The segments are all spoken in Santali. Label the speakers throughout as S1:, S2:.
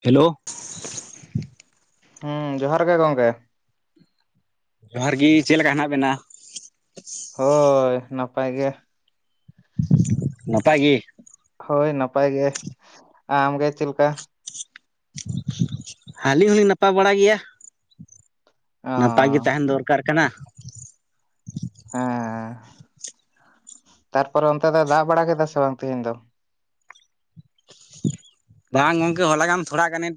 S1: ᱦᱮᱞᱳ᱾
S2: ᱦᱩᱸ ᱡᱚᱦᱟᱨ ᱜᱮ ᱜᱚᱝᱠᱮ᱾
S1: ᱡᱚᱦᱟᱨ ᱜᱤ ᱪᱮᱫ ᱞᱮᱠᱟ ᱦᱮᱱᱟᱜ ᱵᱤᱱᱟ?
S2: ᱦᱳᱭ ᱱᱟᱯᱟᱭ ᱜᱮ᱾
S1: ᱱᱟᱯᱟᱭ ᱜᱮ᱾
S2: ᱦᱳᱭ ᱱᱟᱯᱟᱭ ᱜᱮ ᱟᱢᱜᱮ ᱪᱮᱫ ᱞᱮᱠᱟ?
S1: ᱟᱹᱞᱤᱧ ᱦᱚᱸᱞᱤᱧ ᱱᱟᱯᱟᱭ ᱵᱟᱲᱟ ᱜᱮᱭᱟ
S2: ᱚ
S1: ᱱᱟᱯᱟᱭ ᱜᱮ ᱛᱟᱦᱮᱱ ᱫᱚᱨ ᱠᱟᱨ ᱠᱟᱱᱟ᱾
S2: ᱦᱮᱸ ᱛᱟᱨᱯᱚᱨᱮ ᱚᱱᱛᱮ ᱫᱚ ᱫᱟᱜ ᱵᱟᱲᱟ ᱠᱮᱫᱟ ᱥᱮ ᱵᱟᱝ ᱛᱮᱦᱤᱧ ᱫᱚ?
S1: ᱵᱟᱝ ᱜᱚᱝᱠᱮ ᱦᱚᱞᱟᱜᱮᱟᱢ ᱛᱷᱚᱲᱟ ᱜᱟᱱᱮᱢ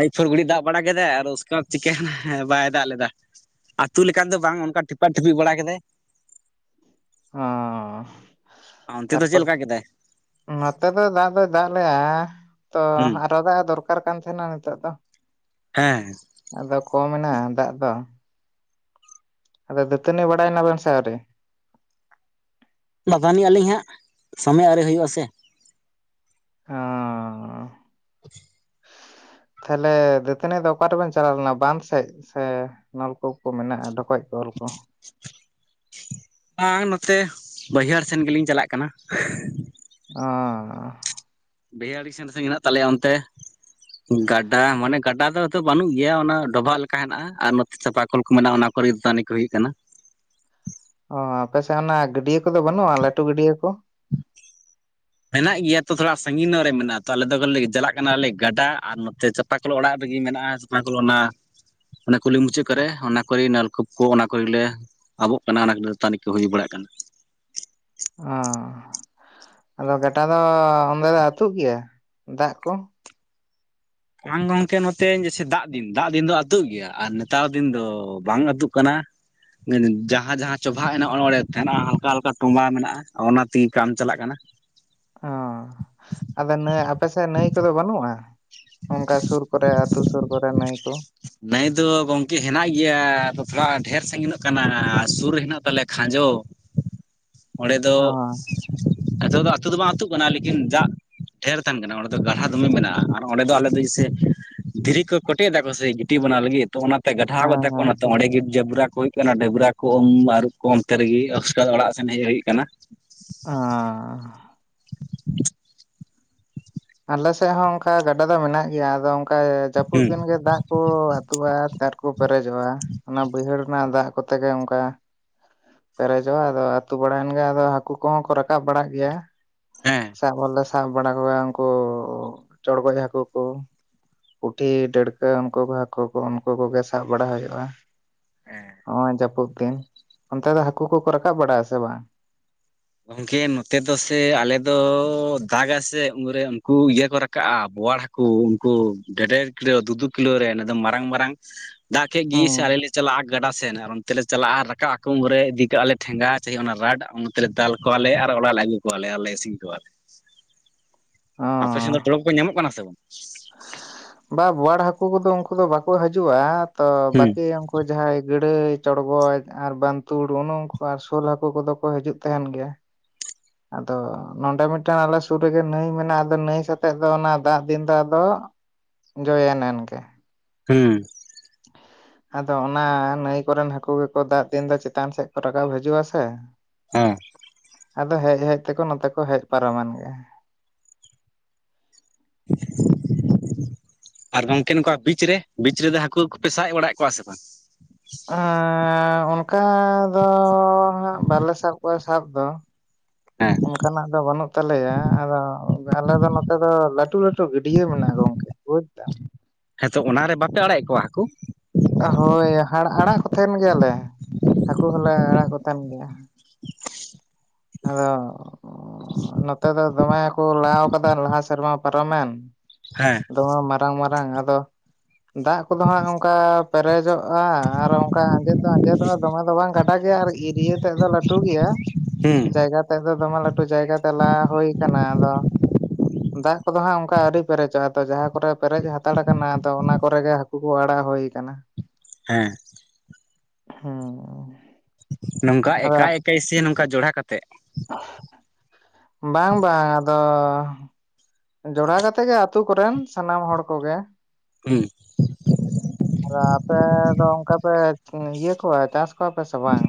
S1: ᱮᱭ ᱯᱷᱩᱨᱜᱩᱲᱤᱡ ᱫᱟᱜ ᱵᱟᱲᱟ ᱠᱮᱫᱟᱭ ᱟᱨ ᱩᱥᱠᱮᱵᱟᱫ ᱪᱤᱠᱮᱭᱱᱟ ᱵᱟᱭ ᱫᱟᱜ ᱞᱮᱫᱟ᱾ ᱟᱹᱛᱩ ᱞᱮᱠᱟᱱ ᱫᱚ ᱵᱟᱝ ᱚᱱᱠᱟ ᱴᱷᱤᱯᱟᱜ ᱴᱷᱤᱯᱤᱜ ᱵᱟᱲᱟ ᱠᱮᱫᱟᱭ᱾
S2: ᱦᱚᱸ᱾
S1: ᱚᱱᱛᱮ ᱫᱚ ᱪᱮᱫ ᱞᱮᱠᱟᱠᱮᱫᱟᱭ?
S2: ᱱᱚᱛᱮ ᱫᱚ ᱫᱟᱜ ᱫᱚᱭ ᱫᱟᱜ ᱞᱮᱭᱟ ᱛᱚ
S1: ᱦᱩᱸ
S2: ᱟᱨᱚ ᱫᱟᱜ ᱮ ᱫᱚᱨᱠᱟᱨ ᱠᱟᱱ ᱛᱟᱦᱮᱱᱟ ᱱᱤᱛᱚᱜ ᱫᱚ,
S1: ᱦᱮᱸ
S2: ᱟᱫᱚ ᱠᱚᱢᱮᱱᱟ ᱫᱟᱜ ᱫᱚ, ᱟᱫᱚ ᱫᱟᱹᱛᱟᱹᱱᱤ ᱵᱟᱲᱟᱭᱮᱱᱟ ᱵᱮᱱ ᱥᱮ ᱟᱹᱣᱨᱤ?
S1: ᱵᱟᱜᱟᱱᱤᱡ ᱟᱹᱞᱤᱧ ᱦᱟᱸᱜ ᱥᱚᱢᱚᱭ ᱟᱨᱮ ᱦᱩᱭᱩᱜ-ᱟ ᱥᱮ,
S2: ᱦᱚᱻ
S1: [inaudible]
S2: ᱛᱟᱦᱞᱮ ᱫᱟᱹᱛᱟᱹᱱᱤ ᱫᱚ ᱚᱠᱟ ᱨᱮᱵᱮᱱ ᱪᱟᱞᱟᱣ ᱞᱮᱱᱟ ᱵᱟᱸᱫᱷ ᱥᱮᱫ ᱥᱮ ᱱᱚᱞᱠᱩᱯ ᱠᱚ ᱢᱮᱱᱟᱜᱼᱟ ᱰᱚ ᱠᱚᱡ ᱠᱚᱞ ᱠᱚ,
S1: ᱵᱟᱝ ᱱᱚᱛᱮ ᱵᱟᱹᱭᱦᱟᱹᱲ ᱥᱮᱱ ᱜᱮᱞᱤᱧ ᱪᱟᱞᱟᱜ ᱠᱟᱱᱟ ᱾
S2: ᱚᱻ
S1: ᱵᱟᱹᱭᱦᱟᱹᱲᱤ ᱟᱹᱰᱤ ᱥᱟᱺᱜᱤᱧ ᱦᱮᱱᱟᱜ ᱛᱟᱞᱮᱭᱟ ᱚᱱᱛᱮ ᱜᱟᱰᱟ ᱢᱟᱱᱮ ᱜᱟᱰᱟ ᱫᱚ ᱵᱟᱹᱱᱩᱜ ᱜᱮᱭᱟ ᱚᱱᱟ ᱰᱚᱵᱷᱟᱜ ᱞᱮᱠᱟ ᱦᱮᱱᱟᱜᱼᱟ ᱟᱨ ᱱᱚᱛᱮ ᱪᱟᱸᱯᱟᱠᱳᱞ ᱠᱚ ᱢᱮᱱᱟᱜᱼᱟ ᱾ ᱚᱱᱟ ᱯᱚᱨᱛᱟᱱᱤ ᱠᱚ ᱦᱩᱭᱩᱜ ᱠᱟᱱᱟ ᱾
S2: ᱚ ᱟᱯᱮᱥᱮᱜ ᱚᱱᱟ ᱜᱟᱹᱰᱤᱭᱟᱹ ᱠᱚᱫᱚ ᱵᱟᱹᱱᱩᱜᱼᱟ ᱞᱟᱹᱴᱩ ᱜᱟᱹᱰᱤᱭᱟᱹ ᱠᱚ?
S1: [inaudible] ᱢᱮᱱᱟᱜ ᱜᱮᱭᱟ ᱛᱚ ᱛᱷᱚᱲᱟ ᱥᱟᱺᱜᱤᱧ ᱧᱚᱜ ᱨᱮ ᱢᱮᱱᱟᱜ ᱛᱚ ᱟᱞᱮ ᱫᱚ ᱪᱟᱞᱟᱜ ᱠᱟᱱᱟᱞᱮ ᱜᱟᱰᱟ ᱟᱨ ᱱᱚᱛᱮ ᱚᱠᱟ ᱠᱚᱞ ᱚᱲᱟᱜ ᱨᱮᱜᱮ ᱢᱮᱱᱟᱜᱼᱟ, [unintelligible] ᱠᱚᱞ ᱚᱱᱟ ᱚᱱᱟ ᱠᱩᱞᱦᱤ ᱢᱩᱪᱟᱹᱫᱽ ᱠᱚᱨᱮ ᱚᱱᱟ ᱠᱚᱨᱮ ᱱᱚᱞᱠᱩᱯ ᱠᱚ ᱚᱱᱟ ᱠᱚᱨᱮᱞᱮ ᱟᱵᱚᱜ ᱠᱟᱱᱟ ᱚᱱᱟ ᱫᱟᱛᱟᱱᱤ ᱠᱚ ᱦᱩᱭ ᱵᱟᱲᱟᱜ ᱠᱟᱱᱟ ᱾
S2: ᱚ ᱟᱫᱚ ᱜᱟᱰᱟ ᱫᱚ ᱚᱸᱰᱮ ᱫᱚ ᱟᱹᱛᱩᱜ ᱜᱮᱭᱟ ᱫᱟᱜ ᱠᱚ?
S1: ᱵᱟᱝ ᱜᱚᱢᱠᱮ ᱱᱚᱛᱮ ᱡᱮᱭᱥᱮ ᱫᱟᱜ ᱫᱤᱱ ᱫᱟᱜ ᱫᱤᱱ ᱫᱚ ᱟᱹᱛᱩᱜ ᱜᱮᱭᱟ ᱟᱨ ᱱᱮᱛᱟᱨ ᱫᱤᱱ ᱫᱚ ᱵᱟᱝ ᱟᱹᱛᱩᱜ ᱠᱟᱱᱟ ᱾ ᱡᱟᱦᱟᱸ ᱡᱟᱦᱟᱸ ᱪᱚᱵᱷᱟᱜ ᱢᱮᱱᱟᱜᱼᱟ ᱚᱱ ᱚᱸᱰᱮ ᱛᱟᱦᱮᱱᱟ ᱦᱟᱞᱠᱟ ᱦᱟᱞᱠᱟ ᱴᱚᱢᱵᱟ ᱢᱮᱱᱟᱜᱼᱟ ᱚᱱᱟ ᱛᱮᱜᱮ ᱠᱟᱢ ᱪᱟᱞᱟᱜ ᱠᱟᱱᱟ
S2: ᱚ ᱟᱫᱚ ᱱᱟᱹ ᱟᱯᱮ ᱥᱮᱫ ᱱᱟᱹᱭ ᱠᱚᱫᱚ ᱵᱟᱹᱱᱩᱜᱼᱟ ᱾ ᱚᱱᱠᱟ ᱥᱩᱨ ᱠᱚᱨᱮ ᱟᱹᱛᱩ ᱥᱩᱨ ᱠᱚᱨᱮ ᱱᱟᱭ ᱠᱚ,
S1: ᱱᱟᱹᱭ ᱫᱚ ᱜᱚᱢᱠᱮ ᱦᱮᱱᱟᱜ ᱜᱮᱭᱟ ᱟᱫᱚ ᱛᱷᱚᱲᱟ ᱰᱷᱮᱨ ᱥᱟᱺᱜᱤᱡ ᱦᱮᱱᱟᱜ ᱠᱟᱱᱟ ᱟᱨ ᱥᱩᱨ ᱨᱮ ᱦᱮᱱᱟᱜ ᱛᱟᱞᱮᱭᱟ ᱠᱷᱟᱸᱡᱚ, ᱚᱸᱰᱮ ᱫᱚ,
S2: ᱚ
S1: ᱱᱤᱛᱚᱜ ᱫᱚ ᱟᱹᱛᱩ ᱫᱚ ᱵᱟᱝ ᱟᱹᱛᱩᱜ ᱠᱟᱱᱟ ᱞᱮᱠᱤᱱ ᱡᱟᱜ ᱰᱷᱹᱮᱨ ᱛᱟᱦᱮᱱ ᱠᱟᱱᱟ ᱚᱸᱰᱮ ᱫᱚ ᱜᱟᱲᱦᱷᱟ ᱫᱚᱢᱮ ᱢᱮᱱᱟᱜᱼᱟ ᱾ ᱚᱸᱰᱮ ᱫᱚ ᱟᱞᱮ ᱫᱚ ᱡᱮᱭᱥᱮ ᱫᱷᱤᱨᱤ ᱠᱚ ᱠᱚᱴᱮᱡ ᱫᱟ ᱠᱚ ᱥᱮ ᱜᱤᱴᱤ ᱵᱮᱱᱟᱣ ᱞᱟᱹᱜᱤᱫ ᱾ ᱛᱚ ᱚᱱᱟᱛᱮ ᱜᱟᱰᱷᱟᱣ
S2: ᱦᱮᱸ
S1: ᱠᱟᱫᱟ ᱠᱚ
S2: ᱦᱮᱸ
S1: ᱚᱱᱟᱛᱮ
S2: ᱦᱮᱸ
S1: ᱚᱸᱰᱮ ᱜᱮ ᱡᱟᱵᱨᱟ ᱠᱚ ᱦᱩᱭᱩᱜ ᱚᱱᱟ ᱰᱟᱹᱵᱽᱨᱟ ᱠᱚ ᱩᱢ ᱟᱹᱨᱩᱵ ᱠᱚ ᱚᱱᱛᱮ ᱨᱮᱜᱮ ᱟᱥᱠᱟᱨ ᱚᱲᱟᱜ ᱥᱮᱱ ᱦᱮᱡ ᱦᱩᱭᱩᱜ ᱠᱟᱱᱟ ᱾
S2: ᱚᱸ ᱟᱞᱮᱥᱮᱫ ᱦᱚᱸ ᱚᱱᱠᱟ ᱜᱟᱰᱟ ᱫᱚ ᱢᱮᱱᱟᱜ ᱜᱮᱭᱟ ᱟᱫᱚ ᱚᱱᱠᱟ ᱡᱟᱹᱯᱩᱫ
S1: ᱦᱩᱸ
S2: ᱫᱤᱱ ᱜᱮ ᱫᱟᱜ ᱠᱚ ᱟᱹᱛᱩᱜᱼᱟ ᱟᱨ ᱟᱨᱠᱚ ᱯᱮᱨᱮᱡᱚᱜᱼᱟ ᱚᱱᱟ ᱵᱟᱹᱭᱦᱟᱹᱲ ᱨᱮᱱᱟᱜ ᱫᱟᱜ ᱠᱚᱛᱮ ᱜᱮ ᱚᱱᱠᱟ, ᱯᱮᱨᱮᱡᱚᱜᱼᱟ ᱟᱫᱚ ᱟᱹᱛᱩ ᱵᱟᱲᱟᱭᱮᱱ ᱜᱮ ᱟᱫᱚ ᱦᱟᱹᱠᱩ ᱠᱚᱦᱚᱸ ᱠᱚ ᱨᱟᱠᱟᱵ ᱵᱟᱲᱟᱜ ᱜᱮᱭᱟ ᱾
S1: ᱦᱮᱸ
S2: ᱥᱟᱵ ᱦᱚᱸᱞᱮ ᱥᱟᱵ ᱵᱟᱲᱟ ᱠᱚᱣᱟ ᱩᱱᱠᱩ ᱪᱚᱲᱜᱚᱡ ᱦᱟᱹᱠᱩ ᱠᱩ, ᱯᱩᱴᱷᱤ ᱰᱟᱹᱲᱠᱟᱹ ᱩᱱᱠᱩ ᱠᱚ ᱦᱟᱹᱠᱩ ᱠᱚ ᱩᱱᱠᱩ ᱠᱚᱜᱮ ᱥᱟᱵ ᱵᱟᱲᱟ ᱦᱩᱭᱩᱜᱼᱟ ᱾ ᱦᱚᱸᱜᱼᱚᱭ ᱡᱟᱹᱯᱩᱫ ᱫᱤᱱ ᱚᱱᱛᱮ ᱫᱚ ᱦᱟᱹᱠᱩ ᱠᱚᱠᱚ ᱨᱟᱠᱟᱵ ᱵᱟᱲᱟᱭᱼᱟ ᱥᱮ ᱵᱟᱝ?
S1: ᱜᱚᱢᱠᱮ ᱱᱚᱛᱮ ᱫᱚ ᱥᱮ ᱟᱞᱮ ᱫᱚ ᱫᱟᱜᱟ ᱥᱮ ᱩᱱᱨᱮ ᱩᱱᱠᱩ ᱤᱭᱟᱹ ᱠᱚ ᱨᱟᱠᱟᱵᱼᱟ ᱵᱚᱣᱟᱲ ᱦᱟᱠ ᱩ ᱩᱱᱠᱩ ᱜᱮᱰᱮᱨ ᱠᱤᱞᱳ ᱫᱩᱫᱩ ᱠᱤᱞᱳ ᱨᱮ ᱮ ᱟᱫᱚ ᱢᱟᱨᱟᱝ ᱢᱟᱨᱟᱝ, ᱫᱟᱜᱠᱮᱜ ᱜᱤᱥᱮ
S2: ᱦᱩᱸ
S1: ᱟᱞᱮ ᱪᱟᱞᱟᱜᱼᱟ ᱾ ᱜᱟᱰᱟ ᱥᱮᱱ ᱟᱨ ᱚᱱᱛᱮ ᱞᱮ ᱪᱟᱞᱟᱜᱼᱟ ᱨᱟᱠᱟᱵ ᱟᱠᱚ ᱩᱱᱨᱮ ᱤᱫᱤ ᱠᱟᱜᱼᱟ ᱞᱮ ᱴᱷᱮᱸᱜᱟ ᱪᱟᱦᱤ ᱚᱱᱟ ᱨᱟᱰ ᱟᱫᱚ ᱫᱟᱞ ᱠᱚᱣᱟᱞᱮ ᱟᱨ ᱚᱲᱟᱜ ᱞᱮ ᱟᱹᱜᱩ ᱠᱚᱣᱟᱮ ᱟᱨᱞᱮ ᱤᱥᱤᱱ ᱠᱚᱣᱟ,
S2: ᱚ
S1: ᱟᱯᱮ ᱥᱮᱱ ᱫᱚ ᱛᱚᱲᱚᱜ ᱠᱚ ᱧᱟᱢᱚᱜ ᱠᱟᱱᱟ ᱥᱮ ᱵᱟᱝ?
S2: ᱵᱟ ᱵᱚᱭᱟᱲ ᱦᱟᱹᱠᱩ ᱠᱚᱫᱚ ᱩᱱᱠᱩ ᱫᱚ ᱵᱟᱠᱚ ᱦᱤᱡᱩᱜᱼᱟ ᱛᱚ
S1: ᱦᱩᱸ
S2: ᱵᱟᱠᱤ, ᱩᱱᱠᱩ ᱡᱟᱦᱟᱸᱭ ᱜᱟᱹᱲᱟᱹᱭ ᱪᱚᱲᱜᱚᱡ ᱟᱨ ᱵᱟᱱᱛᱩᱲ ᱩᱱᱩ ᱩᱱᱠᱩ ᱟᱨ ᱥᱳᱞ ᱦᱟᱹᱠᱩ ᱠᱚᱫᱚ ᱠᱚ ᱦᱤᱡᱩᱜ ᱛᱟᱦᱮᱱ ᱜᱮᱭᱟ ᱾ ᱟᱫᱚ ᱱᱚᱸᱰᱮ ᱢᱤᱫᱴᱮᱱ ᱟᱞᱮ ᱥᱩᱨ ᱨᱮᱜᱮ ᱱᱟᱹᱭ ᱢᱮᱱᱟᱜᱼᱟ ᱟᱫᱚ ᱱᱟᱹᱭ ᱥᱟᱳᱛᱮᱜ ᱫᱚ ᱚᱱᱟ ᱫᱟᱜ ᱫᱤᱱ ᱫᱚ ᱟᱫᱚ, ᱡᱚᱭᱮᱱ ᱮᱱ ᱜᱮ ᱾
S1: ᱦᱩᱸᱻ᱾ [inaudible]
S2: ᱟᱫᱚ ᱚᱱᱟ ᱱᱟᱹᱭ ᱠᱚᱨᱮᱱ ᱦᱟᱹᱠᱩ ᱜᱮᱠᱚ ᱫᱟᱜ ᱫᱤᱱ ᱫᱚ ᱪᱮᱛᱟᱱ ᱥᱮᱫ ᱠᱚ ᱨᱟᱠᱟᱵ ᱦᱤᱡᱩᱜ-ᱟ ᱥᱮ
S1: ᱦᱮᱸᱻ᱾
S2: ᱟᱫᱚ ᱦᱮᱡ ᱦᱮᱡ ᱛᱮᱠᱚ ᱱᱚᱛᱮ ᱠᱚ ᱦᱮᱡ ᱯᱟᱨᱚᱢᱮᱱ ᱜᱮ
S1: [unintelligible] ᱟᱨ ᱜᱚᱝᱠᱮ ᱱᱚᱝᱠᱟ ᱵᱤᱪ ᱨᱮ ᱵᱤᱪ ᱨᱮᱫᱚ ᱦᱟᱹᱠᱩ ᱠᱚᱯᱮ ᱥᱟᱵ ᱵᱟᱲᱟ ᱠᱚᱣᱟ ᱥᱮ ᱵᱟᱝ?
S2: ᱮᱸᱻᱚᱱᱠᱟ ᱫᱚ ᱦᱟᱜ ᱵᱟᱞᱮ ᱥᱟᱵ ᱠᱚᱣᱟ ᱥᱟᱵ ᱫᱚ᱾
S1: [inaudible]
S2: ᱚᱱᱠᱟᱱᱟᱜ ᱫᱚ ᱵᱟᱹᱱᱩᱜ ᱛᱟᱞᱮᱭᱟ ᱟᱫᱚ ᱟᱞᱮ ᱫᱚ, ᱱᱚᱛᱮ ᱫᱚ ᱞᱟᱹᱴᱩ ᱞᱟᱹᱴᱩ ᱜᱟᱹᱰᱭᱟᱹ ᱢᱮᱱᱟᱜᱼᱟ ᱜᱚᱝᱠᱮ ᱵᱩᱡ ᱫᱟᱢ᱾
S1: ᱦᱮᱸᱛᱚ ᱚᱱᱟᱨᱮ ᱵᱟᱯᱮ ᱟᱲᱟᱜᱮᱫ ᱠᱚᱣᱟ ᱦᱟᱠᱳ?
S2: ᱦᱳᱭ ᱟᱲᱟᱜ ᱠᱚ ᱛᱟᱦᱮᱸᱱ ᱜᱮᱭᱟᱞᱮ ᱦᱟᱹᱠᱩ ᱦᱚᱸᱞᱮ ᱟᱲᱟᱜ ᱠᱚ ᱛᱟᱦᱮᱸᱱ ᱜᱮᱭᱟ᱾ ᱟᱫᱚ ᱱᱚᱛᱮ ᱫᱚ ᱫᱚᱢᱮ ᱠᱚ ᱞᱟᱶ ᱠᱟᱫᱟ ᱞᱟᱦᱟ ᱥᱮᱨᱢᱟ ᱯᱟᱨᱚᱢᱮᱱ᱾
S1: ᱦᱮᱸᱻ᱾
S2: ᱫᱚᱢᱮ ᱢᱟᱨᱟᱝ ᱢᱟᱨᱟᱝ ᱟᱫᱚ
S1: [inaudible]
S2: ᱫᱟᱜ ᱠᱚᱫᱚ ᱦᱟᱸᱜ ᱚᱱᱠᱟ ᱯᱮᱨᱮᱡᱚᱜ-ᱟ, ᱟᱨ ᱚᱱᱠᱟ ᱟᱸᱡᱮᱫ ᱫᱚ ᱟᱸᱡᱮᱫᱚᱜ-ᱟ᱾ ᱫᱚᱢᱮ ᱫᱚ ᱵᱟᱝ ᱠᱟᱹᱴᱤᱡ ᱜᱴᱟ ᱜᱮ ᱟᱨ ᱤᱨᱤᱭᱟᱹ ᱛᱮᱫ ᱫᱚ ᱞᱟᱹᱴᱩ ᱜᱮᱭᱟ᱾
S1: ᱦᱩᱻ᱾
S2: ᱡᱟᱭᱜᱟ ᱛᱮᱫᱚ ᱫᱚᱢᱮ ᱞᱟᱹᱴᱩ ᱡᱟᱭᱜᱟ ᱛᱮ ᱞᱟ ᱦᱩᱭ ᱠᱟᱱᱟ ᱟᱫᱚ ᱫᱟᱜ ᱠᱚᱫᱚ ᱦᱟᱸᱜ ᱚᱱᱠᱟ ᱟᱹᱣᱨᱤ ᱯᱮᱨᱮᱡᱚᱜᱼᱟ᱾ ᱛᱚ ᱡᱟᱦᱟᱸ ᱠᱚᱨᱮ ᱯᱮᱨᱮᱡ ᱦᱟᱛᱟᱲ ᱠᱟᱱᱟ ᱛᱚ ᱚᱱᱟ ᱠᱚᱨᱮ ᱜᱮ ᱦᱟᱹᱠᱩ ᱠᱚ ᱟᱲᱟᱜ ᱦᱩᱭ ᱠᱟᱱᱟ᱾
S1: ᱦᱮᱸᱻ᱾
S2: ᱦᱩᱸᱻ᱾
S1: ᱱᱚᱝᱠᱟ ᱮᱠᱟᱭ ᱥᱮ ᱱᱚᱝᱠᱟ ᱡᱚᱲᱟ ᱠᱟᱛᱮ?
S2: ᱵᱟᱝᱻ ᱵᱟᱝᱻ ᱟᱫᱚᱻ᱾ ᱡᱚᱲᱟ ᱠᱟᱛᱮᱜ ᱜᱮ ᱟᱛᱳ ᱠᱚᱨᱮᱱ ᱥᱟᱱᱟᱢ ᱦᱚᱲ ᱠᱚᱜᱮ᱾
S1: ᱦᱩᱸ
S2: ᱟᱨ ᱟᱯᱮ ᱫᱚ ᱚᱱᱠᱟ ᱯᱮ? ᱤᱭᱟᱹ ᱠᱚᱣᱟ ᱪᱟᱥ ᱠᱚᱣᱟᱯᱮ ᱥᱮ ᱵᱟᱝ?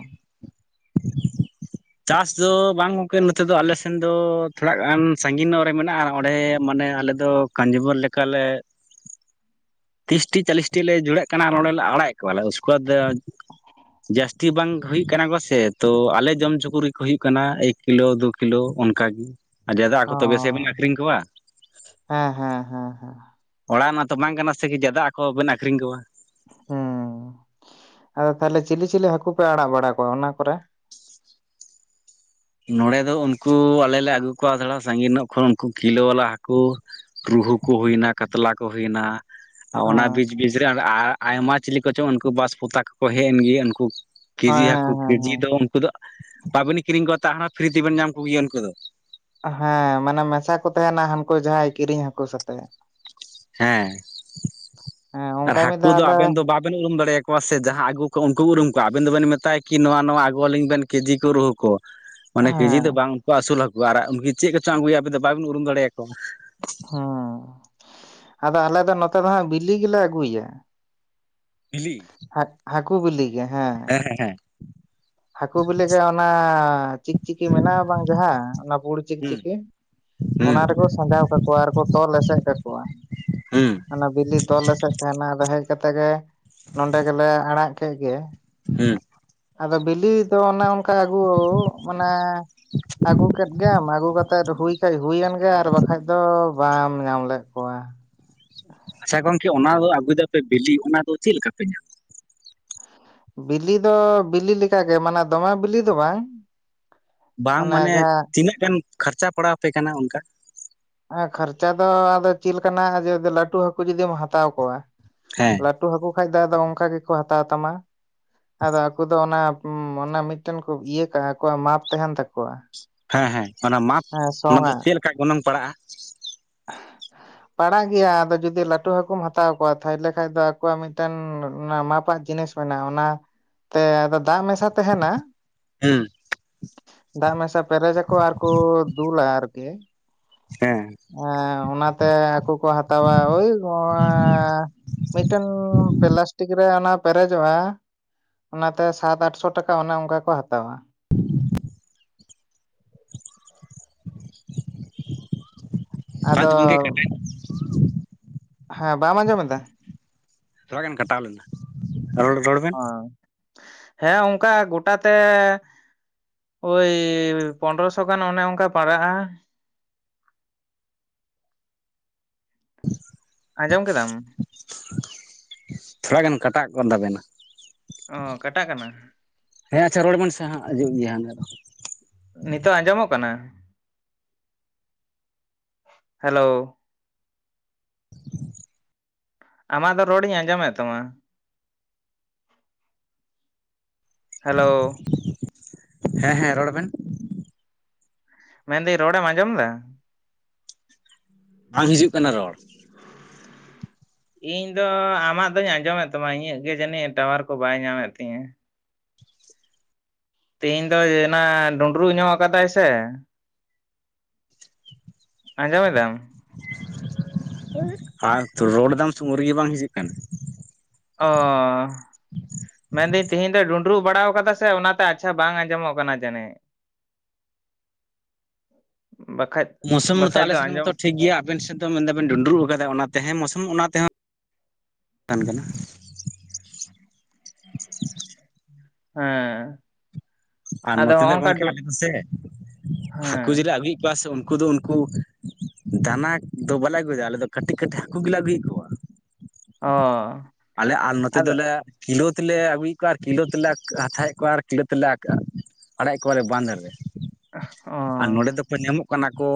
S1: ᱪᱟᱥ ᱫᱚ ᱵᱟᱝ ᱜᱚᱢᱠᱮ ᱱᱚᱛᱮ ᱫᱚ ᱟᱞᱮ ᱥᱮᱱ ᱫᱚ, ᱛᱷᱚᱲᱟ ᱜᱟᱱ ᱥᱟᱺᱜᱤᱧ ᱧᱚᱜ ᱨᱮ ᱢᱮᱱᱟᱜᱼᱟ, ᱚᱸᱰᱮ ᱢᱟᱱᱮ ᱟᱞᱮ ᱫᱚ ᱠᱟᱧᱡᱤᱵᱚᱨ ᱞᱮᱠᱟᱞᱮ ᱛᱤᱨᱤᱥᱴᱤ ᱪᱟᱞᱤᱥᱴᱤ ᱞᱮ ᱡᱩᱲᱟᱹᱜ ᱠᱟᱱᱟ ᱟᱨ ᱚᱱᱚᱸᱰᱮᱞᱮ ᱟᱲᱟᱜᱮᱜ ᱠᱚᱣᱟᱞᱮ ᱩᱥᱠᱮ ᱵᱟᱫᱽ ᱡᱟᱹᱥᱛᱤ ᱵᱟᱝ ᱦᱩᱭᱩᱜ ᱠᱟᱱᱟ ᱠᱚᱥᱮ ᱛᱚ ᱟᱞᱮ ᱡᱚᱢᱪᱚ ᱠᱚ ᱨᱮᱜ ᱠᱚ ᱦᱩᱭᱩᱜ ᱠᱟᱱᱟ᱾ ᱠᱤᱞᱳ ᱫᱩ ᱠᱤᱞᱳ ᱚᱱᱠᱟ ᱜᱮ ᱟᱨ ᱡᱟᱫᱟ ᱟᱠᱚ ᱛᱚᱵᱮ ᱥᱮ ᱵᱮᱱ ᱟᱠᱷᱨᱤᱧ ᱠᱚᱣᱟ᱾
S2: ᱦᱮᱸᱻ ᱦᱮᱸᱻ ᱦᱮᱸᱻ ᱦᱮᱸᱻ᱾
S1: ᱚᱲᱟᱜ ᱨᱮᱱᱟᱜ ᱛᱚ ᱵᱟᱝ ᱠᱟᱱᱟ ᱥᱮ ᱠᱤ ᱡᱟᱫᱟ ᱦᱟᱹᱠᱳ ᱵᱮᱱ ᱟᱠᱷᱨᱤᱧ ᱠᱚᱣᱟ᱾
S2: ᱦᱮᱸ ᱟᱫᱚ ᱛᱟᱦᱚᱞᱮ ᱪᱤᱞᱤ, ᱪᱤᱞᱤ, ᱦᱟᱹᱠᱳ ᱯᱮ ᱟᱲᱟᱜ ᱵᱟᱲᱟ ᱠᱚᱣᱟ ᱚᱱᱟ ᱠᱚᱨᱮ?
S1: ᱱᱚᱸᱰᱮ ᱫᱚ ᱩᱱᱠᱩ ᱟᱞᱮ ᱞᱮ ᱟᱹᱜᱩ ᱠᱚᱣᱟ ᱛᱷᱚᱲᱟ ᱥᱟᱺᱜᱤᱧ ᱧᱚᱜ ᱠᱷᱚᱱ ᱩᱱᱠᱩ ᱠᱤᱞᱳ ᱵᱟᱞᱟ ᱦᱟᱹᱠᱩ᱾ ᱨᱩᱦᱩ ᱠᱩ ᱦᱩᱭᱱᱟ ᱠᱟᱛᱞᱟ ᱠᱚ ᱦᱩᱭᱱᱟ ᱚᱱᱟ ᱵᱤᱪ
S2: ᱦᱮᱸ
S1: ᱵᱤᱪ ᱜᱤᱫ ᱟᱨ ᱟᱭᱢᱟ ᱪᱤᱞᱤ ᱠᱚᱪᱚᱝ ᱩᱱᱠᱩ ᱵᱟᱥ ᱯᱚᱛᱟᱠᱟ ᱠᱚᱠᱚ ᱦᱮᱡ ᱮᱱ ᱜᱮ ᱩᱱᱠᱩ ᱠᱮᱡᱤ ᱦᱟᱹᱠᱩ
S2: ᱦᱮᱸ ᱦᱮᱸ
S1: ᱠᱮᱡᱤ ᱫᱚ
S2: ᱦᱮᱸ
S1: ᱩᱱᱠᱩ ᱫᱚ ᱵᱟᱵᱮᱱ ᱠᱤᱨᱤᱧ ᱠᱚᱣᱟ, ᱛᱟᱣ ᱯᱷᱤᱨᱤ ᱛᱮᱵᱮᱱ ᱧᱟᱢ ᱠᱚᱜᱮᱭᱟ ᱩᱱᱠᱩ ᱫᱚ᱾
S2: ᱦᱮᱸ ᱢᱟᱱᱮ ᱢᱮᱥᱟ ᱠᱚ ᱛᱟᱦᱮᱸᱱᱟ ᱦᱟᱹᱱᱠᱩ ᱡᱟᱦᱟᱸᱭ ᱠᱤᱨᱤᱧ ᱦᱟᱹᱠᱩ ᱥᱟᱛᱮᱜ᱾
S1: ᱦᱮᱸᱻ
S2: ᱦᱮᱸ
S1: ᱟᱨ
S2: ᱚᱱᱠᱟ ᱢᱤᱫ
S1: ᱦᱟᱹᱠᱳ
S2: ᱫᱷᱟᱣ
S1: ᱫᱚ
S2: ᱟᱞᱮ
S1: ᱟᱵᱮᱱ ᱫᱚ ᱵᱟ ᱵᱮᱱ ᱩᱨᱩᱢ ᱫᱟᱲᱮᱭᱟ ᱠᱚᱣᱟ ᱥᱮ ᱡᱟᱦᱟᱸ ᱟᱹᱜᱩ ᱠᱚ ᱩᱨᱩᱢ ᱠᱚᱣᱟ ᱟᱵᱮᱱ ᱫᱚᱵᱮᱱ ᱢᱮᱛᱟᱭᱟ ᱠᱤ ᱱᱚᱣᱟ ᱱᱚᱣᱟ ᱟᱹᱜᱩ ᱟᱹᱞᱤᱧ ᱵᱮᱱ ᱠᱮᱡᱤ ᱠᱚ ᱨᱩᱦ ᱠᱚ ᱢᱟᱱᱮ ᱠᱮᱡᱤ
S2: ᱦᱮᱸ
S1: ᱫᱚ ᱵᱟᱝ ᱩᱱᱠᱩ ᱟᱹᱥᱩᱞ ᱦᱟᱹᱠᱩ᱾ ᱟᱨᱟᱜ ᱩᱱᱠᱤ ᱪᱮᱫ ᱠᱚᱪᱚᱝ ᱟᱹᱜᱩᱭᱟ ᱟᱵᱤᱱ ᱫᱚ ᱵᱟᱵᱮᱱ ᱩᱨᱩᱢ ᱫᱟᱲᱮᱭᱟᱠᱚᱣᱟ᱾
S2: ᱦᱮᱸ ᱟᱫᱚ ᱟᱞᱮ ᱫᱚ ᱱᱚᱛᱮ ᱫᱚ ᱦᱟᱸᱜ ᱵᱤᱞᱤ ᱜᱮᱞᱮ ᱟᱹᱜᱩᱭᱟ᱾
S1: ᱵᱤᱞᱤ
S2: ᱦᱟᱹᱠᱩ ᱵᱤᱞᱤ ᱜᱮ ᱦᱮᱸ᱾
S1: ᱦᱮᱸᱻ ᱦᱮᱸᱻ ᱦᱮᱸᱻ᱾
S2: ᱦᱟᱹᱠᱩ ᱵᱤᱞᱤ ᱜᱮ ᱚᱱᱟ ᱪᱤᱠᱪᱤᱠᱤ ᱢᱮᱱᱟᱜᱼᱟ ᱵᱟᱝ ᱡᱟᱦᱟᱸ ᱚᱱᱟ ᱯᱩᱲ
S1: ᱦᱩᱸ
S2: ᱪᱤᱠᱪᱤᱠᱤ
S1: ᱦᱩᱸ
S2: ᱚᱱᱟ ᱨᱮᱠᱚ ᱥᱟᱡᱟᱣ ᱠᱟᱠᱚᱣᱟ ᱟᱨᱠᱚ ᱛᱚᱞ ᱮᱥᱮᱫᱽ ᱠᱟᱠᱚᱣᱟ᱾
S1: ᱦᱩᱸ
S2: ᱚᱱᱟ ᱵᱤᱞᱤ ᱫᱚᱞ ᱮᱥᱮᱫᱽ ᱛᱟᱦᱮᱱᱟ ᱟᱫᱚ ᱦᱮᱡᱽ ᱠᱟᱛᱮ ᱜᱮ ᱱᱚᱸᱰᱮ ᱜᱮᱞᱮ ᱟᱲᱟᱜ ᱠᱮᱜ ᱜᱮ
S1: ᱦᱩᱸ
S2: ᱟᱫᱚ ᱵᱤᱞᱤ ᱫᱚ ᱚᱱᱮ ᱚᱱᱠᱟ ᱚᱱᱠᱟ ᱟᱹᱜᱩ ᱢᱟᱱᱮ ᱟᱹᱜᱩ ᱠᱮᱫᱽ ᱜᱮᱢ ᱟᱹᱜᱩ ᱠᱟᱛᱮ ᱛᱮᱫ ᱦᱩᱭ ᱠᱷᱟᱡᱽ ᱦᱩᱭᱮᱱ ᱜᱮ ᱟᱨ ᱵᱟᱠᱷᱟᱡᱽ ᱫᱚ ᱵᱟᱢ ᱧᱟᱢ ᱞᱮᱫ ᱠᱚᱣᱟ᱾
S1: ᱟᱪᱪᱷᱟ ᱜᱚᱝᱠᱮ ᱚᱱᱟ ᱫᱚ ᱟᱹᱜᱩᱭᱮᱫᱟᱯᱮ ᱵᱤᱞᱤ ᱚᱱᱟ ᱫᱚ ᱪᱮᱫ ᱞᱮᱠᱟ ᱯᱮ ᱧᱟᱢᱟ?
S2: ᱵᱤᱞᱤ ᱫᱚ ᱵᱤᱞᱤ ᱞᱮᱠᱟᱜᱮ ᱢᱟᱱᱮ ᱫᱚᱢᱮ ᱵᱤᱞᱤ ᱫᱚ ᱵᱟᱝ᱾
S1: ᱵᱟᱝ ᱢᱟᱱᱮ ᱛᱤᱱᱟᱹᱜ ᱜᱟᱱ ᱠᱷᱟᱨᱪᱟ ᱯᱟᱲᱟᱣ ᱟᱯᱮ ᱠᱟᱱᱟ ᱚᱱᱠᱟ᱾
S2: ᱠᱷᱟᱨᱪᱟ ᱫᱚ ᱟᱫᱚ ᱪᱮᱫ ᱞᱮᱠᱟᱱᱟᱜ ᱡᱩᱫᱤ ᱞᱟᱹᱴᱩ ᱦᱟᱹᱠᱩ ᱡᱩᱫᱤᱢ ᱦᱟᱛᱟᱣ ᱠᱚᱣᱟ
S1: ᱦᱮᱸ
S2: ᱞᱟᱹᱴᱩ ᱦᱟᱹᱠᱩ ᱠᱷᱟᱡᱽ ᱫᱚ ᱟᱫᱚ ᱚᱱᱠᱟ ᱜᱮᱠᱚ ᱦᱟᱛᱟᱣ ᱛᱟᱢᱟ᱾ ᱟᱫᱚ ᱟᱠᱚ ᱫᱚ ᱚᱱᱟ ᱢᱚᱱᱮ ᱢᱤᱫᱴᱮᱱ ᱠᱚ ᱤᱭᱟᱹ ᱠᱟᱜᱼᱟ ᱟᱠᱚᱣᱟᱜ ᱢᱟᱯ ᱛᱟᱦᱮᱸᱱ ᱛᱟᱠᱚᱣᱟ᱾
S1: ᱦᱮᱸ ᱦᱮᱸ ᱚᱱᱟ ᱢᱟᱯ
S2: ᱦᱮᱸ
S1: ᱚᱱᱟ ᱫᱚ
S2: ᱥᱚᱝᱟᱜ
S1: ᱪᱮᱫ ᱞᱮᱠᱟ ᱜᱚᱱᱚᱝ ᱯᱟᱲᱟᱜᱼᱟ?
S2: [inaudible] ᱯᱟᱲᱟᱜ ᱜᱮᱭᱟ ᱟᱫᱚ ᱡᱩᱫᱤ ᱞᱟᱹᱴᱩ ᱦᱟᱹᱠᱩᱢ ᱦᱟᱛᱟᱣ ᱠᱚᱣᱟ ᱛᱟᱭᱞᱮ ᱠᱷᱟᱡᱽ ᱫᱚ ᱟᱠᱚᱣᱟᱜ ᱢᱤᱫᱴᱮᱱ ᱚᱱᱟ ᱢᱟᱯ ᱟᱜ ᱡᱤᱱᱤᱥ ᱢᱮᱱᱟᱼᱟ ᱚᱱᱟ ᱛᱮ ᱟᱫᱚ ᱫᱟᱜᱽ ᱢᱮᱥᱟ ᱛᱟᱦᱮᱱᱟ᱾
S1: ᱦᱩᱸ
S2: ᱫᱟᱜᱽ ᱢᱮᱥᱟ ᱯᱮᱨᱮᱡᱟᱠᱚ ᱟᱨ ᱠᱚ ᱫᱩᱞᱟ ᱟᱨᱠᱤ
S1: ᱦᱮᱸ
S2: ᱚᱱᱟᱛᱮ ᱟᱠᱚ-ᱠᱚ ᱦᱟᱛᱟᱣᱟ ᱳᱭ ᱢᱤᱫᱴᱮᱱ ᱯᱞᱟᱥᱴᱤᱠ ᱨᱮ ᱚᱱᱟ ᱯᱮᱨᱮᱡᱚᱜᱼᱟ ᱚᱱᱟᱛᱮ ᱥᱟᱛ ᱟᱴᱥᱚ ᱴᱟᱠᱟ ᱚᱱᱮ ᱚᱱᱠᱟ ᱠᱚ ᱦᱟᱛᱟᱣᱟ᱾ ᱟᱫᱚ
S1: ᱯᱟᱸᱪ ᱜᱚᱝᱠᱮ ᱠᱟᱴᱭ
S2: ᱦᱮᱸ ᱵᱟᱢ ᱟᱸᱡᱚᱢ ᱮᱫᱟ?
S1: ᱛᱷᱚᱲᱟ ᱜᱟᱱ ᱠᱟᱴᱟᱣ ᱞᱮᱱᱟ ᱨᱚᱲ ᱨᱚᱲ ᱵᱮᱱ
S2: ᱦᱮᱸ ᱚᱱᱠᱟ ᱜᱚᱴᱟ ᱛᱮ ᱳᱭ ᱯᱚᱱᱫᱨᱚᱥᱚ ᱜᱟᱱ ᱚᱱᱮ ᱚᱱᱠᱟ ᱯᱟᱲᱟᱜᱼᱟ᱾ ᱟᱸᱡᱚᱢ ᱠᱮᱫᱟᱢ
S1: ᱛᱷᱚᱲᱟ ᱜᱟᱱ ᱠᱟᱴᱟᱜ ᱠᱟᱱ ᱛᱟᱵᱮᱱᱟ᱾
S2: ᱚ ᱠᱟᱴᱟᱜ ᱠᱟᱱᱟ
S1: ᱦᱮᱸ ᱟᱪᱪᱷᱟ ᱨᱚᱲ ᱵᱮᱱ ᱥᱮ ᱦᱟᱸᱜ ᱦᱤᱡᱩᱜ ᱜᱮᱭᱟ ᱦᱟᱸᱰᱮ ᱫᱚ᱾
S2: ᱱᱤᱛᱳᱜ ᱟᱸᱡᱚᱢᱚᱜ ᱠᱟᱱᱟ ᱦᱮᱞᱳ ᱟᱢᱟᱜ ᱫᱚ ᱨᱚᱲ ᱤᱧ ᱟᱸᱡᱚᱢᱮᱫ ᱛᱟᱢᱟ᱾ ᱦᱮᱞᱳ
S1: ᱦᱮᱸ ᱦᱮᱸ ᱨᱚᱲ ᱵᱮᱱ
S2: ᱢᱮᱱᱫᱟᱹᱧ ᱨᱚᱲᱮᱢ ᱟᱸᱡᱚᱢ ᱮᱫᱟ᱾
S1: ᱵᱟᱝ ᱦᱤᱡᱩᱜ ᱠᱟᱱᱟ ᱨᱚᱲ
S2: ᱤᱧ ᱫᱚ ᱟᱢᱟᱜ ᱫᱚᱧ ᱟᱸᱡᱚᱢᱮᱫ ᱛᱟᱢᱟ ᱤᱧᱟᱹᱜ ᱜᱮ ᱡᱟᱹᱱᱤᱡᱽ ᱴᱟᱶᱟᱨ ᱠᱚ ᱵᱟᱭ ᱧᱟᱢᱮᱫ ᱛᱤᱧᱟᱹ᱾ ᱛᱮᱦᱮᱧ ᱫᱚ ᱡᱮᱱᱟ ᱰᱩᱸᱰᱨᱩᱜ ᱧᱚᱜ ᱟᱠᱟᱫᱟᱭ ᱥᱮ ᱟᱸᱡᱚᱢᱮᱫᱟᱢ
S1: ᱟᱨ ᱫᱚ ᱨᱳᱲᱫᱟᱢ ᱥᱮ ᱩᱱ ᱨᱮᱜᱮ ᱵᱟᱝ ᱦᱤᱡᱩᱜ ᱠᱟᱱᱟ᱾
S2: ᱚ ᱢᱮᱱᱫᱟᱹᱧ ᱛᱤᱦᱤᱧ ᱫᱚ ᱰᱩᱸᱰᱨᱩ ᱵᱟᱲᱟᱶ ᱟᱠᱟᱫᱟ ᱥᱮ ᱚᱱᱟᱛᱮ ᱟᱪᱪᱷᱟ ᱵᱟᱝ ᱟᱸᱡᱚᱢᱚᱜ ᱠᱟᱱᱟ ᱡᱟᱹᱱᱤᱡᱽ᱾
S1: [inaudible]
S2: ᱵᱟᱠᱷᱟᱡᱽ
S1: ᱢᱳᱥᱚᱢ ᱱᱮᱛᱚ ᱟᱞᱮ ᱥᱮᱱ ᱦᱚᱸ ᱢᱟᱛᱚ ᱴᱷᱤᱠ ᱜᱮᱭᱟ ᱟᱵᱮᱱ ᱥᱮᱫ ᱫᱚ ᱢᱮᱱ ᱫᱟᱵᱮᱱ ᱰᱩᱸᱰᱨᱩᱜ ᱟᱠᱟᱫᱟ ᱚᱱᱟᱛᱮ ᱦᱮᱸ ᱢᱳᱥᱚᱢ ᱚᱱᱟ ᱛᱮᱦᱚᱸ ᱟᱱ ᱠᱟᱱᱟ᱾
S2: ᱦᱮᱸ
S1: ᱟᱨ
S2: ᱟᱫᱚ
S1: ᱱᱚᱛᱮ
S2: ᱦᱚᱸᱜ
S1: ᱫᱚ
S2: ᱚᱝᱠᱟ
S1: ᱜᱚᱝᱠᱮ
S2: ᱰᱩ
S1: ᱟᱞᱮ ᱫᱚ ᱥᱮ ᱦᱟᱹᱠᱩ ᱡᱤᱞᱮ
S2: ᱦᱮᱸ
S1: ᱟᱹᱜᱩ ᱠᱚᱭᱟ ᱥᱮ ᱩᱱᱠᱩ ᱫᱚ ᱩᱱᱠᱩ ᱫᱟᱱᱟ ᱫᱚ ᱵᱟᱞᱮ ᱟᱹᱜᱩᱭᱮᱫᱟ ᱟᱞᱮᱫ ᱫᱚ ᱠᱟᱹᱴᱤᱡ ᱠᱟᱹᱴᱤᱡ ᱦᱟᱹᱠᱩ ᱜᱮᱞᱮ ᱟᱹᱜᱩᱭᱮᱫ ᱠᱚ,
S2: ᱚ
S1: ᱟᱞᱮ ᱟᱨ ᱱᱚᱛᱮ
S2: ᱟᱫᱚ
S1: ᱫᱚᱞᱮ ᱠᱤᱞᱳ ᱛᱮᱞᱮ ᱟᱹᱜᱩᱭᱮᱫ ᱠᱚᱣᱟ ᱟᱨ ᱠᱤᱞᱳ ᱛᱮᱞᱮ ᱦᱟᱛᱟᱣᱮᱫ ᱠᱚᱣᱟ ᱟᱨ ᱠᱤᱞᱳ ᱛᱮᱞᱮ ᱟᱠᱟᱟᱜ ᱟᱲᱟᱜᱮᱫ ᱠᱚᱣᱟᱞᱮ ᱵᱟᱸᱫᱷ ᱨᱮ
S2: ᱚ
S1: ᱟᱨ ᱱᱚᱰᱮ ᱫᱚᱠᱚ ᱧᱟᱢᱚᱜ ᱠᱟᱱᱟ ᱠᱚ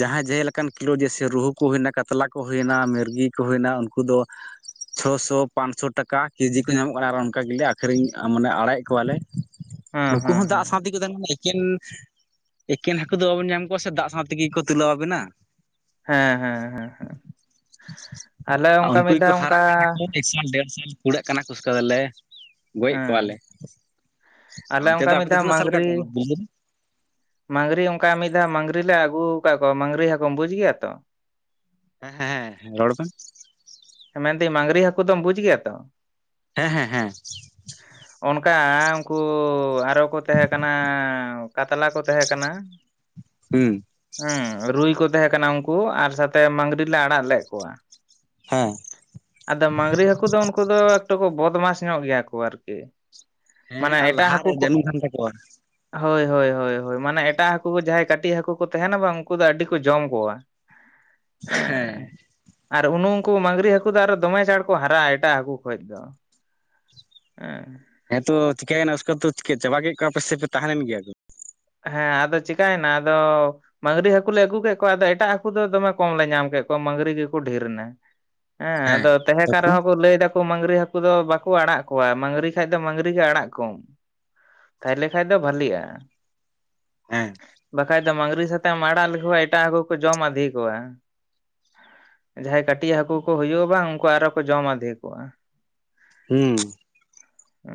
S1: ᱡᱟᱦᱟᱸᱭ ᱡᱮ ᱞᱮᱠᱟᱱ ᱠᱤᱞᱳ ᱡᱮᱭᱥᱮ ᱨᱩᱦᱩ ᱠᱚ ᱦᱩᱭᱱᱟ ᱠᱟᱛᱞᱟ ᱠᱚ ᱦᱩᱭᱱᱟ ᱢᱤᱨᱜᱤ ᱠᱚ ᱦᱩᱭᱱᱟ ᱩᱱᱠᱩ ᱫᱚ [inaudible] ᱪᱷᱚᱥᱚ ᱯᱟᱸᱪᱥᱚ ᱴᱟᱠᱟ ᱠᱮᱡᱤ ᱠᱚ ᱧᱟᱢᱚᱜ ᱠᱟᱱᱟ ᱟᱨ ᱚᱱᱠᱟ ᱜᱮᱞᱮ ᱟᱠᱷᱨᱤᱧ ᱢᱟᱱᱮ ᱟᱲᱟᱜᱮᱫ ᱠᱚᱣᱟᱞᱮ,
S2: ᱦᱮᱸ
S1: ᱱᱩᱠᱩ
S2: ᱦᱮᱸ
S1: ᱦᱚᱸ ᱫᱟᱜ
S2: ᱦᱮᱸ
S1: ᱥᱟᱶᱛᱮᱠᱚ ᱛᱟᱦᱮᱱ ᱠᱟᱱᱟ ᱮᱠᱮᱱ ᱮᱠᱮᱱ ᱦᱟᱹᱠᱩ ᱫᱚ ᱵᱟᱵᱮᱱ ᱧᱟᱢ ᱠᱚᱣᱟ ᱥᱮ ᱫᱟᱜ ᱥᱟᱶ ᱛᱮᱜᱮ ᱠᱚ ᱛᱩᱞᱟᱹᱣ ᱟᱵᱮᱱᱟ᱾
S2: ᱦᱮᱸ ᱦᱮᱸ ᱦᱮᱸ ᱟᱞᱮ ᱚᱱᱠᱟ ᱢᱤᱫ ᱫᱷᱟᱣ ᱚᱱᱠᱟ
S1: ᱮᱠᱥᱟᱞ ᱰᱮᱲᱥᱟᱞ ᱠᱩᱲᱟᱹᱜ ᱠᱟᱱᱟ ᱠᱩᱥᱠᱟᱹ ᱫᱚᱞᱮ ᱜᱚᱡᱮᱫ ᱠᱚᱣᱟᱞᱮ
S2: ᱦᱮᱸ ᱟᱞᱮ
S1: ᱚᱱᱛᱮ
S2: ᱚᱱᱠᱟ
S1: ᱫᱚ ᱟᱯᱮ
S2: ᱢᱤᱫ
S1: ᱫᱚ
S2: ᱫᱷᱟᱣ
S1: ᱛᱤᱱᱟᱹᱜ ᱥᱟᱞ ᱞᱮᱠᱟ
S2: ᱢᱟᱹᱜᱽᱨᱤ ᱚᱱᱠᱟ ᱢᱤᱫ ᱫᱷᱟᱣ ᱢᱟᱹᱜᱽᱨᱤ ᱞᱮ ᱟᱹᱜᱩ ᱟᱠᱟᱫ ᱠᱚᱣᱟ ᱢᱟᱹᱟᱝᱨᱤ ᱦᱟᱹᱠᱩᱚᱢ ᱵᱩᱡ ᱜᱮᱭᱟ ᱛᱚ?
S1: ᱦᱮᱸ ᱦᱮᱸ ᱦᱮᱸ ᱦᱮᱸ ᱨᱚᱲ ᱵᱮᱱ᱾
S2: ᱢᱮᱱᱫᱟᱹᱧ ᱢᱟᱝᱜᱽᱨᱤ ᱦᱟᱹᱠᱩ ᱫᱚᱢ ᱵᱩᱡ ᱜᱮᱭᱟ ᱛᱚ?
S1: ᱦᱮᱸ ᱦᱮᱸ ᱦᱮᱸ
S2: ᱚᱱᱠᱟ ᱩᱱᱠᱩ ᱟᱨᱚ ᱠᱚ ᱛᱟᱦᱮᱸ ᱠᱟᱱᱟ ᱠᱟᱛᱞᱟ ᱠᱚ ᱛᱟᱦᱮᱸ ᱠᱟᱱᱟ,
S1: ᱦᱩᱸ
S2: ᱦᱮᱸ ᱨᱩᱭ ᱠᱚ ᱛᱟᱦᱮᱸ ᱠᱟᱱᱟ ᱩᱱᱠᱩ ᱟᱨ ᱥᱟᱛᱮ ᱢᱟᱝᱜᱽᱨᱤ ᱞᱮ ᱟᱲᱟᱜ ᱞᱮᱫ ᱠᱚᱣᱟ᱾
S1: ᱦᱮᱸ
S2: ᱟᱫᱚ ᱢᱟᱝᱜᱽᱨᱤ ᱦᱟᱹᱠᱩ ᱫᱚ ᱩᱱᱠᱩ ᱫᱚ ᱮᱠᱴᱩ ᱵᱚᱫᱢᱟᱥ ᱧᱚᱜ ᱜᱮᱭᱟ ᱠᱚ ᱟᱨᱠᱤ᱾
S1: ᱦᱮᱸ
S2: ᱢᱟᱱᱮ
S1: ᱟᱨ
S2: ᱮᱴᱟᱜ
S1: ᱞᱟᱦᱟᱨᱮ
S2: ᱦᱟᱹᱠᱩ ᱠᱚ
S1: ᱡᱟᱹᱱᱩᱢ ᱛᱟᱦᱮᱱ ᱛᱟᱠᱚᱣᱟ᱾
S2: ᱦᱳᱭ ᱦᱳᱭ ᱦᱳᱭ ᱦᱳᱭ ᱢᱟᱱᱮ ᱮᱴᱟᱜ ᱦᱟᱹᱠᱩ ᱠᱚ ᱡᱟᱦᱟᱸᱭ ᱠᱟᱹᱴᱤᱡ ᱦᱟᱹᱠᱩ ᱠᱚ ᱛᱟᱦᱮᱱᱟ ᱵᱟᱝ ᱩᱱᱠᱩ ᱫᱚ ᱟᱹᱰᱤ ᱠᱚ ᱡᱚᱢ ᱠᱚᱣᱟ᱾
S1: ᱦᱮᱸ
S2: ᱟᱨ ᱩᱱᱩ ᱠᱩ ᱢᱟᱝᱜᱽᱨᱤ ᱦᱟᱹᱠᱩ ᱫᱚ ᱟᱨᱚ ᱫᱚᱢᱮ ᱪᱟᱬ ᱠᱚ ᱦᱟᱨᱟᱜ-ᱟ ᱮᱴᱟᱜ ᱦᱟᱹᱠᱩ ᱠᱷᱚᱡ ᱫᱚ ᱦᱮᱸ᱾
S1: ᱦᱮᱸᱛᱚ ᱪᱤᱠᱟᱹᱭᱮᱱᱟ ᱩᱥᱠᱟᱨ ᱛᱚ ᱪᱤᱠᱟᱹ ᱪᱟᱵᱟ ᱠᱮᱫ ᱠᱚᱣᱟᱯᱮ ᱥᱮᱯᱮ ᱛᱟᱦᱮᱸ ᱠᱟᱱ ᱜᱮᱭᱟ ᱠᱚ?
S2: ᱦᱮᱸ ᱟᱫᱚ ᱪᱤᱠᱟᱹᱭᱮᱱᱟ ᱟᱫᱚ ᱢᱟᱹᱝᱜᱽᱨᱤ ᱦᱟᱹᱠᱩᱞᱮ ᱟᱹᱜᱩ ᱠᱮᱫ ᱠᱚᱣᱟ ᱟᱫᱚ ᱮᱴᱟᱜ ᱦᱟᱹᱠᱩ ᱫᱚ ᱫᱚᱢᱮ ᱠᱚᱢ ᱞᱮ ᱧᱟᱢ ᱠᱮᱫ ᱠᱚᱣᱟ ᱢᱟᱹᱝᱜᱽᱨᱤ ᱜᱮᱠᱚ ᱰᱷᱮᱨ ᱮᱱᱟ᱾ ᱦᱮᱸ ᱟᱫᱚ ᱛᱟᱦᱮᱸ ᱠᱟᱱ ᱨᱮᱦᱚᱸ ᱠᱚ ᱞᱟᱹᱭ ᱫᱟ ᱢᱟᱹᱝᱨᱤ ᱦᱟᱹᱠᱩ ᱫᱚ ᱵᱟᱠᱚ ᱟᱲᱟᱜ ᱠᱚᱣᱟ ᱢᱟᱹᱝᱨᱤ ᱠᱷᱟᱱ ᱫᱚ ᱢᱟᱹᱝᱨᱤ ᱜᱮ ᱟᱲᱟᱜ ᱠᱚᱢ᱾ ᱛᱟᱦᱚᱞᱮ ᱠᱷᱟᱡ ᱫᱚ ᱵᱷᱟᱞᱤᱜ-ᱟ᱾
S1: ᱦᱮᱸ
S2: ᱵᱟᱠᱷᱟᱡ ᱫᱚ ᱢᱟᱝᱜᱽᱨᱤ ᱥᱟᱛᱮᱢ ᱟᱲᱟᱜ ᱞᱮᱠᱚ ᱠᱷᱟᱡ ᱮᱴᱟᱜ ᱦᱟᱹᱠᱩ ᱠᱚ ᱡᱚᱢ ᱟᱫᱷᱤ ᱠᱚᱣᱟ᱾ ᱡᱟᱦᱟᱸᱭ ᱠᱟᱹᱴᱤᱡ ᱦᱟᱠᱩ ᱠᱚ ᱦᱩᱭᱩᱜ-ᱟ ᱵᱟᱝ ᱩᱱᱠᱩ ᱟᱨᱚ ᱠᱚ ᱡᱚᱢ ᱟᱫᱷᱤ ᱠᱚᱣᱟ᱾
S1: ᱦᱮᱸ
S2: ᱦᱮ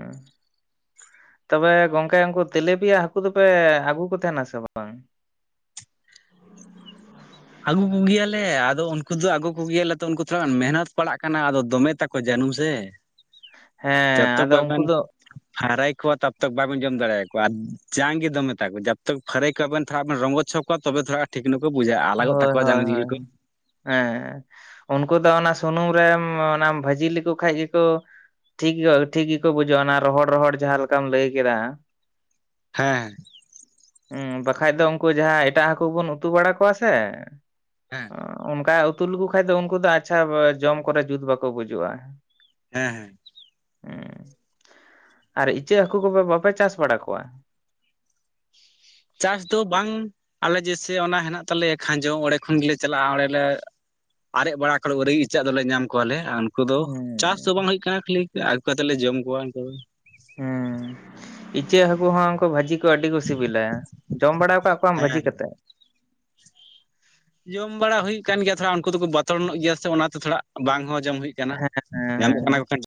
S2: ᱛᱚᱵᱮ ᱜᱚᱝᱠᱮ ᱩᱱᱠᱩ ᱛᱮᱞᱮᱯᱤᱭᱟ ᱦᱟᱠᱩ ᱫᱚᱯᱮ ᱟᱹᱜᱩ ᱠᱚ ᱛᱟᱦᱮᱱᱟ ᱥᱮ ᱵᱟᱝ?
S1: ᱟᱹᱜᱩ ᱠᱚᱜᱮᱭᱟᱞᱮ ᱟᱫᱚ ᱩᱱᱠᱩ ᱫᱚ ᱟᱹᱜᱩ ᱠᱚᱜᱮᱭᱟᱞᱮ ᱛᱚ ᱩᱱᱠᱩ ᱛᱷᱚᱲᱟ ᱜᱟᱱ ᱢᱮᱦᱱᱚᱛ ᱯᱟᱲᱟᱜ ᱠᱟᱱᱟ ᱟᱫᱚ ᱫᱚᱢᱮ ᱛᱟᱠᱚ ᱠᱚ ᱡᱟᱹᱱᱩᱢ ᱥᱮ
S2: ᱦᱮᱸ
S1: ᱡᱚᱛᱚᱠ
S2: ᱟᱫᱚ ᱩᱱᱠᱩ
S1: ᱵᱟᱵᱮᱱ
S2: ᱫᱚ
S1: ᱯᱷᱟᱨᱟᱭ ᱠᱚᱣᱟ ᱛᱟᱵᱛᱚᱠ ᱵᱟᱵᱮᱱ ᱡᱚᱢ ᱫᱟᱲᱮᱭᱟᱠᱚᱣᱟ ᱟᱨ ᱡᱟᱝ ᱜᱮ ᱫᱚᱢᱮ ᱛᱟᱠᱚ ᱡᱟᱵᱛᱚᱠ ᱯᱷᱟᱨᱟᱭ ᱠᱚᱣᱟᱵᱮᱱ ᱛᱷᱚᱲᱟ ᱟᱵᱮᱱ ᱨᱚᱝᱜᱚᱪᱷᱚᱠ ᱛᱚᱵᱮ ᱛᱷᱚᱲᱟ ᱴᱷᱤᱠ ᱧᱚᱜ ᱠᱚ ᱵᱩᱡᱟᱹᱜ-ᱟ᱾ ᱟᱞᱟᱜᱚᱜ
S2: ᱦᱳᱭ
S1: ᱛᱟᱠᱚᱣᱟ
S2: ᱦᱳᱭ
S1: ᱡᱟᱝ ᱡᱤᱞ
S2: ᱦᱳᱭ
S1: ᱠᱚ
S2: ᱦᱮᱸ ᱩᱱᱠᱩ ᱫᱚ ᱚᱱᱟ ᱥᱩᱱᱩᱢ ᱨᱮᱢ ᱚᱱᱟᱢ ᱵᱷᱟᱹᱡᱤ ᱞᱮᱠᱚ ᱠᱷᱟᱡ ᱜᱮᱠᱚ ᱴᱷᱤᱠ ᱜᱮ ᱴᱷᱤᱠ ᱜᱮᱠᱚ ᱵᱩᱡᱷᱩᱜ-ᱟ ᱚᱱᱟ ᱨᱚᱦᱚᱲ ᱨᱚᱦᱚᱲ ᱡᱟᱦᱟᱸ ᱞᱮᱠᱟᱢ ᱞᱟᱹᱭ ᱠᱮᱫᱟ᱾
S1: ᱦᱮᱸ ᱦᱮᱸ
S2: ᱦᱮᱸ ᱵᱟᱠᱷᱟᱡ ᱫᱚ ᱩᱱᱠᱩ ᱡᱟᱦᱟᱸᱭ ᱮᱴᱟᱜ ᱦᱟᱹᱠᱩ ᱵᱚᱱ ᱩᱛᱩ ᱵᱟᱲᱟ ᱠᱚᱣᱟ ᱥᱮ
S1: ᱦᱮᱸ
S2: ᱚᱱᱠᱟ ᱩᱛᱩ ᱞᱮᱠᱚ ᱠᱷᱟᱡ ᱫᱚ ᱩᱱᱠᱩ ᱫᱚ ᱟᱪᱪᱷᱟ ᱡᱚᱢ ᱠᱚᱨᱮ ᱡᱩᱛ ᱵᱟᱠᱚ ᱵᱩᱡᱩᱜ-ᱟ᱾
S1: ᱦᱮᱸ ᱦᱮᱸ
S2: ᱦᱮᱸ ᱟᱨ ᱤᱪᱟᱹᱜ ᱦᱟᱹᱠᱩ ᱠᱚᱯᱮ ᱵᱟᱯᱮ ᱪᱟᱥ ᱵᱟᱲᱟ ᱠᱚᱣᱟ
S1: ᱪᱟᱥ ᱫᱚ ᱵᱟᱝ ᱟᱞᱮ ᱡᱮᱭᱥᱮ ᱚᱱᱟ ᱦᱮᱱᱟᱜ ᱛᱟᱞᱮᱭᱟ ᱠᱷᱟᱸᱡᱚ ᱚᱸᱰᱮ ᱠᱷᱚᱱ ᱜᱮᱞᱮ ᱪᱟᱞᱟᱜ-ᱟ ᱚᱸᱰᱮᱞᱮ ᱟᱨᱮᱡ ᱵᱟᱲᱟ ᱠᱚᱨᱮᱜ ᱜᱮ ᱤᱪᱟᱹᱜ ᱫᱚᱞᱮ ᱧᱟᱢ ᱠᱚᱣᱟᱞᱮ ᱟᱨ ᱩᱱᱠᱩ ᱫᱚ ᱪᱟᱥ
S2: ᱦᱩᱸ
S1: ᱫᱚ ᱵᱟᱝ ᱦᱩᱭᱩᱜ ᱠᱟᱱᱟ ᱠᱷᱟᱹᱞᱤ ᱟᱹᱜᱩ ᱠᱟᱛᱮᱜ ᱞᱮ ᱡᱚᱢ ᱠᱚᱣᱟ ᱩᱱᱠᱩ ᱫᱚ
S2: ᱦᱮᱸ ᱤᱪᱟᱹᱜ ᱦᱟᱹᱠᱩ ᱦᱚᱸ ᱩᱱᱠᱩ ᱵᱷᱟᱹᱡᱤ ᱫᱩ ᱟᱹᱰᱤ ᱠᱚ ᱥᱤᱵᱤᱞᱟ ᱡᱚᱢ ᱵᱟᱲᱟᱣ ᱠᱟᱫ ᱠᱚᱣᱟᱢ
S1: ᱦᱮᱸ
S2: ᱵᱷᱟᱹᱡᱤ ᱠᱟᱛᱮ
S1: ᱡᱚᱢ ᱵᱟᱲᱟ ᱦᱩᱭᱩᱜ ᱠᱟᱱ ᱜᱮᱭᱟ ᱛᱷᱚᱲᱟ ᱩᱱᱠᱩ ᱫᱚᱠᱚ ᱵᱚᱛᱚᱨ ᱧᱚᱜ ᱜᱮᱭᱟ ᱥᱮ ᱚᱱᱟᱛᱮ ᱛᱷᱚᱲᱟ ᱵᱟᱝ ᱦᱚᱸ ᱡᱚᱢ ᱦᱩᱭᱩᱜ ᱠᱟᱱᱟ
S2: ᱦᱮᱸ ᱦᱮᱸ ᱦᱮᱸ
S1: ᱧᱟᱢᱚᱜ
S2: ᱦᱮᱸ
S1: ᱠᱟᱱᱟ ᱠᱚ ᱠᱟᱴᱤᱡ